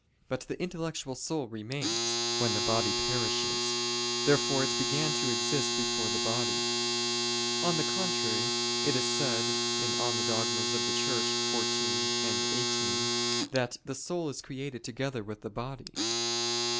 But the intellectual soul remains, when the body perishes. Therefore it began to exist before the body. On the contrary, It is said (De Eccl. Dogmat. xiv, xviii) that "the soul is created together with the body."